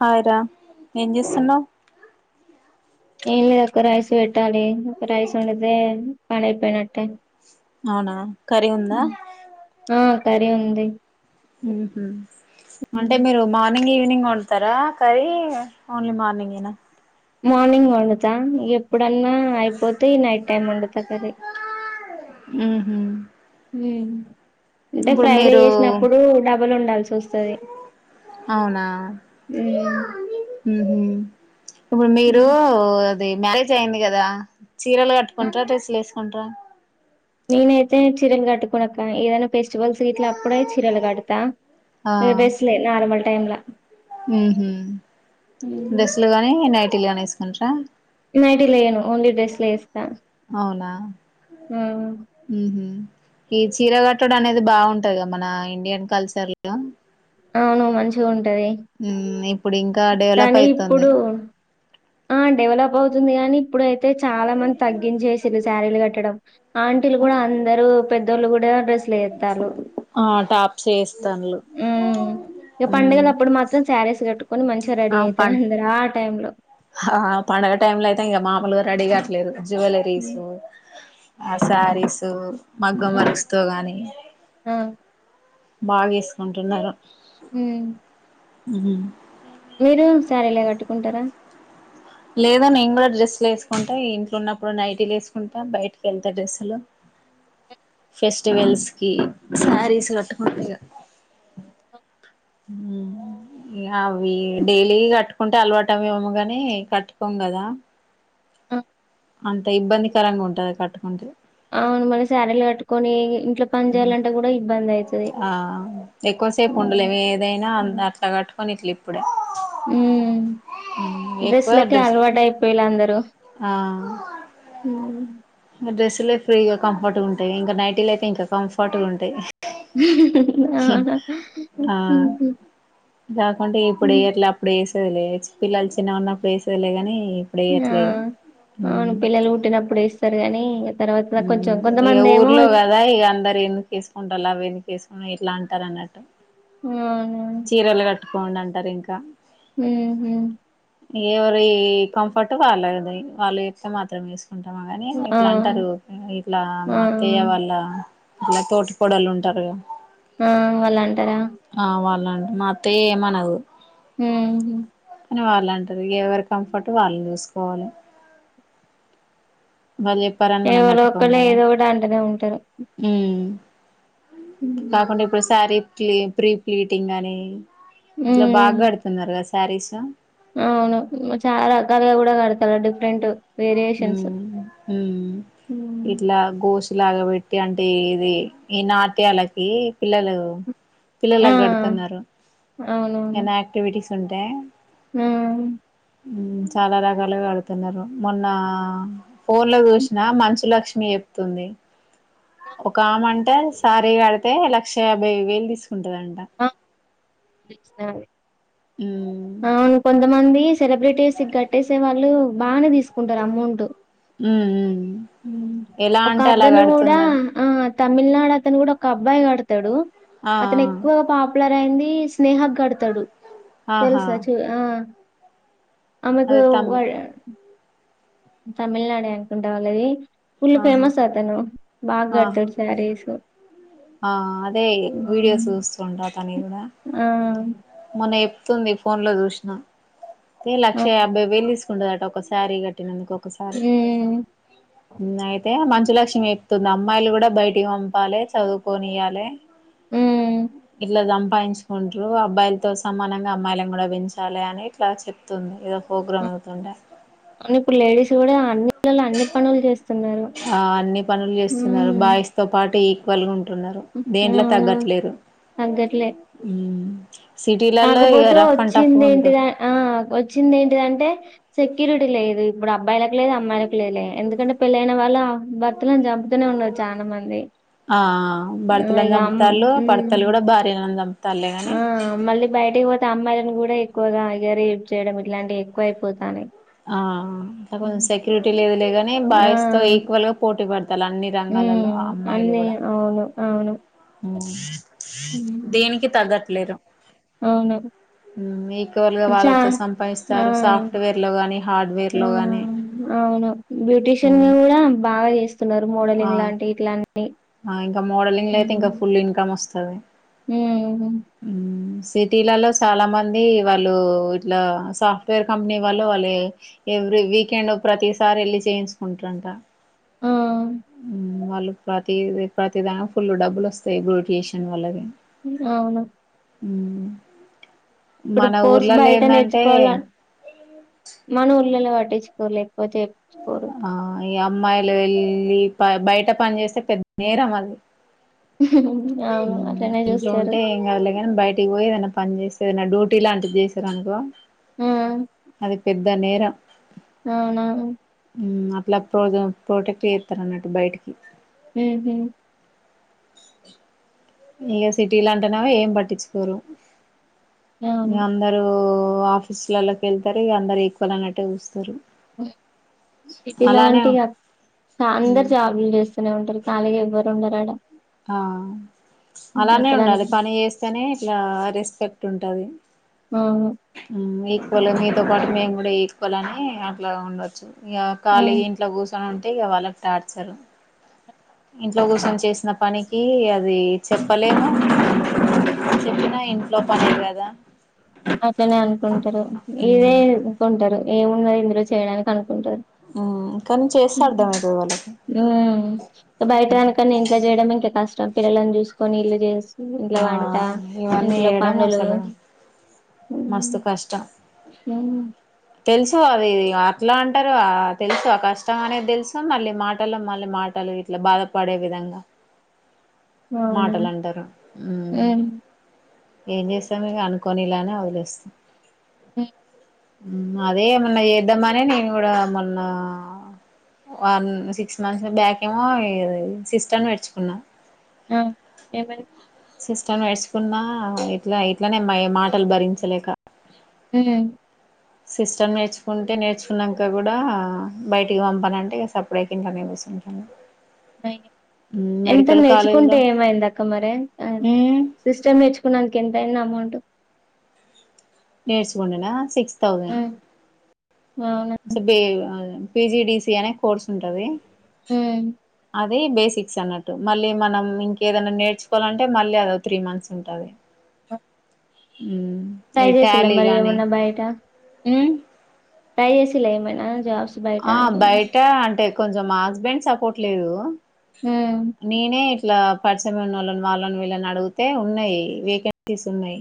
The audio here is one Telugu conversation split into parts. హాయ్ రా ఏం చేస్తున్నవ్? ఏం లేదు ఒక్క రైస్ పెట్టాలి, ఒక రైస్ వండితే పని అయిపోయినట్టే. అవునా కర్రీ ఉందా? ఆ కర్రీ ఉంది. ఉహు అంటే మీరు మా మార్నింగ్, ఈవినింగ్ వంటతార కర్రీ ఓన్లీ మార్నింగే మార్నింగ్ వండు తా ఇగ ఎప్పుడన్నా అయిపోతే ఈ నైట్ టైమ్ వండుతా కర్రీ ఉహు అంటే ఇప్పుడు ఫ్రైలు మీరు వేసినప్పుడు డబల్ వండాల్సి వస్తది. అవునా ఉమ్. ఉహు ఇప్పుడు మీరు అది మ్యారేజ్ అయింది కదా, చీరలు కట్టుకుంటార డ్రెస్స్ లు వేసుకు అంట్రా నేను ఐతే చీరలు కట్టుకోను అక్క ఏదైనా ఫెస్టివల్స్ గిట్లా అప్పుడే చీరలు కడతా, ఆ డ్రెస్ లే నార్మల్ టైం ల ఉహు డ్రెస్లు గాని నైటీ గాని వేసుకుంటర? నైటి లేయను ఓన్లీ డ్రెసు లే ఏస్తా అవునా ఆ ఉహు ఈ చీర గట్టడు అనేది బాగుంటది కదా, మన ఇండియన్ కల్చర్ లో అవును మంచిగా ఉంటది, మ్మ్ ఇప్పుడు ఇంకా డెవలప్ కానీ అయితుంది ఇప్పుడు ఆ డెవలప్ అవుతుంది కాన్ ఇప్పుడైతే చాలా మంది తగ్గించేసిర్రూ శారీలు కట్టడం, ఆంటీలు కూడా అందరూ పెద్ దోలు కూడా డ్రెస్సులే ఏత్తారు. ఆ టాప్స్ ఏస్తాన్లు ఉమ్ ఇక మ్మ్ పండుగలు అప్పుడు మాత్రం శారీస్ కట్టుకొని మంచిగా ఆ రెడీ పం ఐతరు అందరు ఆ టైం లో ఆ పండుగ టైమ్ లో అయితే ఇంగ మామూలుగా రెడీ కాట్లేదు జ్యువెలరీస్ హ్మ్. ఆ శారీస్ హ్మ్. మగ్గం హ్మ్. వర్క్స్ తో గాని ఆ! బాగా ఏసుకుంటున్నారు. ఉమ్ ఉహు మీరు సారిలే కట్టుకుంటరా? లేదూ నేను కూడా డ్రస్సులు ఏసుకుంటా, ఇగ ఇంట్లో ఉన్నప్పుడు నైటీలు ఏసుకుంటా, బయటకి కెల్తే డ్రస్సులు. అ ఫెస్టివల్స్ కి సారీస్ కట్టుకుంట ఇగ ఉహు అవి డైలీ కట్టుకుంటే అలవాటు అవ్వు ఏమోగని కట్టుకోం కదా ఆ అంత ఇబ్బందికరంగా ఉంటది కట్టుకుంటే అవును మళ్ళీ శారీలు కట్టుకొని ఇంట్లో పని చేయాలంటే కూడా ఇబ్బంది. ఆ ఎక్కువసేపు ఉండలేము హ్మ్. ఏదైనా [unintelligible] అట్లా కట్టుకొని ఇట్లు ఉమ్ ఎక్కువ డ్రెస్లకే డ్రెస్ అలవాటు అయిపోయిల్లు అందరూ ఆ డ్రెస్లే ఫ్రీగా కంఫర్ట్గా ఉంటాయి ఇంకా నైట్లు అయితే ఇంకా కంఫర్ట్గా ఉంటాయి. ఆహా! ఆ కాకుంటే ఇప్పుడే ఏట్లా అప్పుడే వస్తదిలే పిల్లలు చిన్న ఉన్న ప్లేసలేగాని ఆ అవును పిల్లలు పుట్టినప్పుడు ఇస్తారు గాని ఉమ్ ఇగ ఊర్లో కదా ఇగ అందరు ఎందుసుతిసుకుంటాల్ల అవి ఎందుకు తీసుక్ ఎట్లా అంటారు అన్నట్టు అవును పట్టుకోండి అంటారు ఇంకా ఉహుం ఎవరి కంఫర్ట్ వాళ్ళది వాళ్ళు చెప్తే మాత్రం వేసుకుంటాము గాని ఆ! ఇట్లా అంటారు. ఇట్లా ఆ! మాత్తయ్య వాళ్ళ ఇట్లా తోటి కోడలు ఉంటారు కదా ఆ వాళ్ళు అంటారా? వాళ్ళంట మా అత్తయ్య ఏమనదు. ఉహుం అని వాళ్ళు అంటాది ఎవరి కంఫర్ట్ వాళ్ళని చూసుకోవాలే. వాళ్ళు జెప్పారని మనం గట్ వాళ్ళు ఏదో ఒకటి అంటనే ఉంటారు. ఉమ్ కాకుండా ఇప్పుడు శారీ ప్లీ ప్రీ ప్లీటింగ్ అని ఇట్లా బాగా హ్మ్. కడుతున్నారు కదా శారీస్ అవును చాలా రకాలు కూడా కడతలు డిఫరెంట్ వేరియేషన్స్. ఉమ్ ఉమ్ హ్మ్. ఇట్లా గోష్ లాగా పెట్టి అంటే ఇది ఈ నాట్యాలకి పిల్లలు ఆ! పిల్లలకి గడుతున్నారు ఏన్న యాక్టివిటీస్ ఉంటే ఉమ్ ఉమ్ చాలా రకాలుగా కడుతున్నారు మొన్న నా ఫోన్ లో చూసినా మంచు లక్ష్మి చెప్తుంది. ఒక ఆమె అంట సారీ కడితే లక్ష యాభై వేలు తీసుకు ఆ పిసినారి ఉమ్ అవును కొంతమంది సెలబ్రిటీస్ కట్టేసే వాళ్ళు బానే తీసుకుంటారు అమౌంట్ ఊ ఉమ్ ఒక అద్దను కూడా కడుతుందంట ఆ తమిళనాడు అతను కూడా ఒక అబ్బాయి కడతాడు. ఆ అతను ఎక్కువగా పాపులర్ అయింది స్నేహ గడతాడు. ఆహా తెలుసా చూ ఆ ఆమెకు అదే తమ్మి వరన్ తమిళనాడే అనుకుంటా వాళ్ళది. ఫుల్ ఆహా ఫేమస్ అతను బాగా ఆహా కడుతాడు సారీస్ ఆ అదే వీడియోస్ చూస్తుంటా తను కూడా ఆ! ఆమె చెప్తుంది ఫోన్ లో చూసిన లక్ష అవును. యాభైవేలు తీసుక్ ఉండదట ఒకసారీ కట్టినందుక ఒకసారి హ్మ్. నయితే మంచ్ శ్రీ లక్ష్మీ చెప్తుంది అమ్మాయిలు గూడా బయటికి పంపాలి చదువుకోనియ్యాలి. హ్మ్. ఇట్లా సంపాదించుకుంటారు అబ్బాయిలు తో సమానంగా అమ్మాయిలను గూడా పెంచాలి అని ఇట్లా చెప్తుంది ఏదో పోగ్రాం అవుతుంటే ఈడ అన్ని పిల్లలు అన్ని పనులు చేస్తున్ ఆ అన్ని పనులు చేస్తున్నారు బాయ్స్ తో పాటు ఈక్వల్ గా ఉం టున్నారు దేంట్లో అవును తగ్గట్లేరు. తగ్గట్లే ఉమ్ కాకపోతే వచ్చిందేంటిది ఉంటారు ఆ వచ్చింది ఏంటిదంటే సెక్యూరిటీ లేదు ఇప్పుడు అబ్బాయిలకు లేదు అమ్మాయిలకు లేదు లే ఎందుకంటే పెళ్లైన వాళ్ళే భర్తలను చంపుతనే న్నారు చాలా మంది ఆ ఆ భర్తలని ఇగ అమ్ చంపుతాళ్ళు ఉమ్ భర్తలు గూడా భార్యలని చంప్ ఆ మళ్ళీ బయటికి పోతే అమ్మాయి లను గూడా ఎక్కువగా ఇగ రేప్ చేయడం ఇట్లాంటివి ఎక్కువ అయిపోతాన్నై. ఆ [unintelligible] సెక్యూరిటీ లేదులే గాని ఆ బాయ్స్ తో ఈక్వల్ గా పోటీ పడతా తాలు అన్ని రంగాలలో ఉమ్ అమ్మాయిలు అన్నీ గూడా అవును అవును ఉమ్, దేనికి తగ్గట్లేరు. అవును ఊమ్ ఈక్వల్గా ఇప్పుడు చా వాళ్ళతో సంపాదిస్తారు ఆ సాఫ్ట్వేర్లో గానీ ఆ హార్డ్వేర్లో గానీ అవును బ్యూటీషియన్లు గూడా బాగా చేస్తున్నారు మోడలింగ్ లాంటివి ఇట్లాంటి ఆ ఇంకా మోడలింగ్ లో అయితే ఇంకా ఉమ్ ఫుల్ ఇన్కమ్ వస్తది. ఉమ్, సిటీలలో చాలా మంది వాళ్ళు ఇట్లా సాఫ్ట్వేర్ కంపెనీ వాళ్ళు వాళ్ళు ఎవ్రీ వీకెండ్ లో ప్రతిసారి వెళ్ళి చేయించుకుంటారంట ఆ ఊమ్ వాళ్ళు ప్ర తి ప్రతిదానికి ఫుల్ డబ్బులు వస్తాయి బ్యూటీషియన్ వాళ్ళకి. ఊమ్ అవును ఊమ్ ఇప్పుడు కోర్స్ బయట నేర్చుకోవాల మన ఊర్లోనే పట్టి స్కోరు లేకపోతే చేపిచ్చుకోరు. ఆ ఈ అమ్మాయిలు వెళ్ళి ప బయట పని చేస్తే పెద్ద నేరమది. అవును ఉమ్ అట్లనే ఇంట్లో చూస్తారు ఉంటే ఏం కాదులే బయటికి పోయి ఏదన్న పని చేసి ఏదన్నా డ్యూటీ లాంటిది చేశారనుకో ఆ అది పెద్ద నేరం అవునా? అట్లా ప్రోజ ప్రొటెక్ట్ చేత్తారన్నట్టు బయటికి ఊహు ఇగ సిటీ లా అంటేనేమో ఏం పట్టించుకోరు అవును అందరు ఓ ఆఫీస్లలోకి వెళ్తారు అందరు ఈక్వల్ అయినట్టే చూస్తరు. ఓ సిటీలా గంటే ఇగ సా అందరు ఉమ్ జాబ్లు చేస్తనే ఉంటారు ఖాళీగా ఎవ్వరు ఉండరు ఆడా ఆ అలానే అక్కడ అన్- ఉండాలి పని చేస్తేనే ఇట్లా రెస్పెక్ట్ టుంటది అవును ఊమ్ మీక్ [unintelligible] మీతో పాటు మేము గూడా ఈక్వల్ అని అట్లా ఉండొచ్చు ఇగ ఉమ్ ఖాలీగా ఇంట్లో కూసో ని ఉంటే ఇగ వాళ్ళకి టార్చరు ఇంట్లో కూసోని చేస్ సిన పనికి అది చెప్పలేము. చెప్పినా ఇంట్లో పనే గదా అట్లనే అనుకుంటారు ఇదే అనుకుంటారు ఏవరున్నారు ఇందులో చేయడానికి అనుకుంటారు ఊమ్ బయట కనుక ఇంట్లో చేయడం ఇంకా కష్టం. పిల్లలను చూసుకొని ఇల్లు చూస్తూ ఆ ఇంట్లో వంట ఇవన్నీ ఇంట్లో చేయడం పనులు అసలు మస్తు కష్టం మ్ తెలుసు అది అట్లా అంటారు. తెలుసు ఆ కష్టం అనేది తెలుసు మళ్ళీ మాటలు మళ్ళీ మాట. మాటలు ఇట్లా బాధపడే విధంగా అవునా మాటలు అంటారు. హ్మ్ ఏం చేస్తాము అనుకోని ఇలానే వదిలేస్తాం. ఓ [inaudible] అదే ఏమన్నా చేద్దామనే నేను కూడా మొన్న. వన్ సిక్స్ మంత్స్ లో హ్యాకింగ్ సిస్టం అని నేర్చుకున్నా. ఆ ఏమని సిస్టం నేర్చుకున్నా ఇట్లయితేనే మాటలు భరించలేక మ్ సిస్టం నేర్చుకుంటే నేర్చుకున్నాక కూడా బయటికి పంపనంటే ఇక సప్పుడు చేయకుండా ఇంట్లో చెంట [unintelligible] అ ఎంత నేర్చుకుంటే కాలేజీలో ఏమైంది అక్క మరి అ మ్మ్ సిస్టం నేర్చుకున్నాదానికి ఎంత అయింది అమౌంట్. నేర్చకుంటన్నా సిక్స్ తౌజండ్. ఉమ్, అవునా అ పిజిడడిసి అనే కోర్స్ ఉంటది. మ్ అది బేసిక్స్ అన్నట్టు మళ్ళీ మనం ఇంకేదైనా నేర్చుకోవాలంటే మళ్ళీ అద త్రీ మంత్స్ ఉంటాది. అ [inaudible] ట్రై ఈ చేసిర్రా టాలీ మరి గాని ఏమన్నా బయట మ్మ్ ట్రై చేసిర్రా జాబ్స్ కి ఆ బయట అంటే కొంచెం మా హస్బెండ్ సపోర్ట్ లేదు. హ్మ్ నేనే ఇట్లా పరిచయం ఉన్న వాళ్ళని వీళ్ళని అడిగితే ఉన్నాయి వేకెన్సీస్ ఉన్నాయి.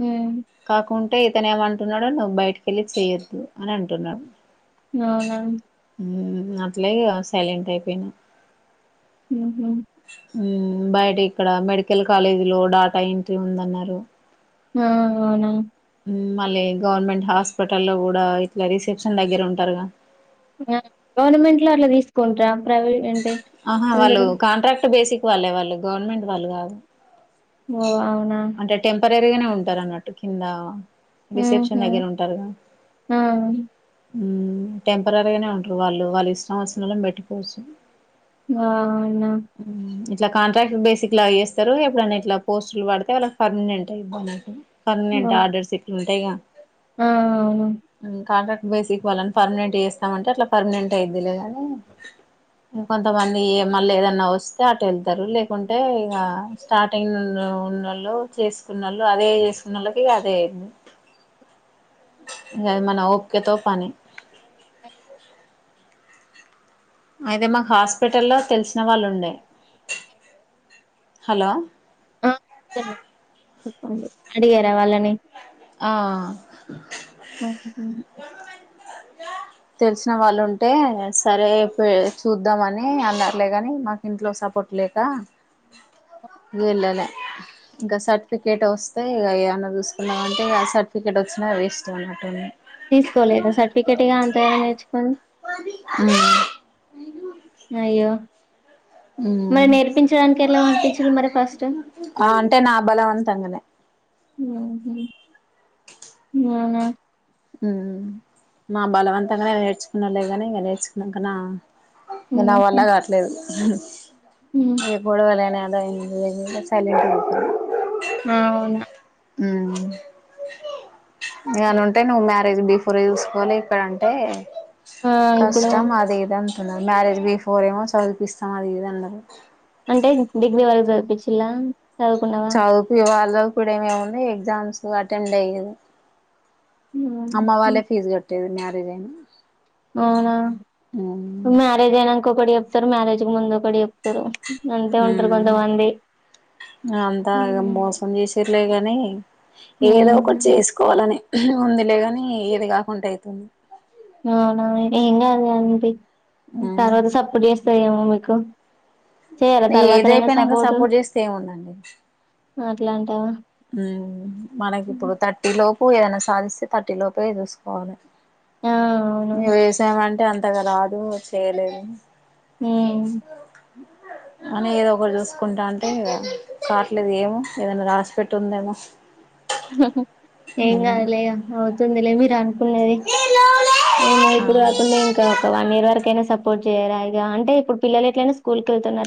హ్మ్ కాకుంటే ఇతను ఏమంటున్నాడో నువ్వు బయటికెళ్ళి చేయొద్దు అని అంటున్నాడు. అవునా మ్ అట్లై సైలెంట్ అయిపోయినా. మ్ హూ బయట ఇక్కడ మెడికల్ కాలేజీ లో డాటా ఎంట్రీ ఉందన్నారు. ఆ అవునా మళ్ళీ గవర్నమెంట్ హాస్పిటల్ లో కూడా ఇట్లా రిసెప్షన్ దగ్గర ఉంటారుగా గవర్నమెంట్ లో అట్లా తీసుకుంటార ప్రైవేట్ అంటే ఆహా, వాళ్ళు అందరూ కాంట్రాక్ట్ బేసిక్ వాళ్ళే వాళ్ళు గవర్నమెంట్ వాళ్ళు కాదు. ఓ అవునా సెపరేట్ గానే ఉంటారు అన్నట్టు కింద రిసెప్షన్ ఉహు దగ్గర ఉంటారుగా. ఆ టెంపరీగానే ఉంటారు వాళ్ళు. వాళ్ళు ఇష్టం వచ్చిన వాళ్ళని పెట్టుకోవచ్చు. ఆ మ్ ఇట్లా కాంట్రాక్ట్ బేసిక్ లాగా చేస్తారు. ఎప్పుడైనా ఇట్లా పోస్టులు పడితే వాళ్ళకి పర్మనెంట్. ఓ పర్మనెంట్ ఆర్డర్స్ ఎక్కవ ఉంటాయా గా ఆ అవును కాంట్రాక్ట్ బేసిక్ వాళ్ళని పర్మినెంట్ చేస్తామంటే అట్లా పర్మినెంట్ అయితలేదని కొంతమంది మళ్ళీ ఏదైనా నా వస్తే అటు వెళ్తారు లేకుంటే ఇగా స్టార్ట్ అయ్య ఉన్నోళ్లు చే చేసుకున్నోళ్లు అదే చేసున్న వాళ్ళకి అదే అయితది అది మన ఓపికతో పని [inaudible] అయితే మాకు హాస్పిటల్లో తెలిసిన వాళ్ళు ఉండే హలో ఆ చెప్పండి అడిగారా వాళ్ళని ఆ ఉ హు సంధ్య తెలిసిన వాళ్ళు ఉంటే సరే పే చూద్దామని అన్నారులేగాని మాకు ఇంట్లో స కొట్లేకా వెళ్లలే సర్టిఫికేట్ వస్తే ఇగా ఏమన్నా చూసుకున్నామంటే ఆ సర్టిఫికెట్ వచ్చిన వేస్ట్ ఉన్నట్టు ఉంది తీసుకోలేదా సర్టిఫికెట్ ఇగ అంతగానం నేర్చుకొని ఉ హు అయ్యో మరి నేర్పించడానికి ఎట్లా పంపించారు ఫస్ట్ ఆ అంటే నా బలవంతంగానే ఉ హు ఆ హ ఉ మా బలవంతంగానే నేర్చుకున్నాడు లే గాని ఇంకా నేర్చుకున్నాడు కదా నా ఉహు వల్ల కావట్లేదు ఉమ్ ఏ గొడవలైన్ టైం లేకుండే సైలెంట్ పెట్టిన ఆ అవునా ఉ ఏమైనా ఉంటే నువ్వు మ్యారేజ్ తీసుకో కూర చూసుకొని ఇక్కడ అంటే ఆ ఇప్పుడు కష్టం అది ఇది అంత మ్యారేజ్ బిఫోర్ ఏమో చదువుపిస్తాం అది ఇది అన్నారు అంటే డిగ్రీ వరకు చదువు పిచ్చి ఇండ్ల చదువుకు వాళ్ళ కూడా ఏమేమి ఎగ్జామ్స్ అటెండ్ అయ్యారు అమ్మ హుహు. వాళ్ళే ఫీజు కట్టేది మ్యారేజ్ అయిన అవునా మ్యారేజ్ అయినంక ఒకటి చెప్తారు మ్యారేజ్ కు ముందు ఒకటి చెప్తారు అంతే ఉంటారు ఉమ్ కొంతమంది అంతా మోసం చేసిరులే గాని ఏదో ఒకటి చేసుకోవాలని. ఉందిలే కాని ఏది కాకుండా అయితుంది అవునా ఏం కాదు గాని తియ్యి ఉమ్ తర్వాత సప్పుడు చేస్తే ఉంటాయేమో మీకు చేయాలా ఆ ఏజ్ తర్వాతనైనా అయిపోయినాక సపోర్టు సప్పుడు చేస్తే ఏమున్నది అట్లా అంటావ ఉ మనకి ఇప్పుడు థర్టీ లోపు ఏదైనా సాధిస్తే థర్టీ లోపే చూసుకోవాల ఆ అవును అంతగా రాదు చేయలేను ఉ హు అని ఏదో ఒకటీ చూసుకుంటా అంటే కావట్లేదు ఏమో ఏదైనా రాసి పెట్టి ఉన్నదా ఏం కాదులే అవుతుందిలే మీరు అనుకున్నవి వన్ ఇయర్ వరకైనా సపోర్ట్ చేయరా ఇగా అంటే ఇప్పుడు పిల్లలు ఎట్లైనా స్కూల్ కి వెళ్తున్నరు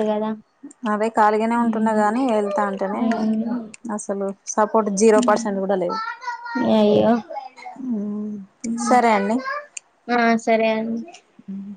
అదే ఖాళిగానే ఉంటున్నా గాని వెళ్తా అంటేనే ఉమ్. అసలు స ఫ జీరో పర్సెంట్ కూడా లేవు అయ్యో సరే అండి ఆ సరే అండి హ్మ్